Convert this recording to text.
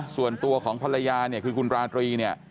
ส่วนตัวของภรรยาเนี่ยคือคุณราตรีเนี่ย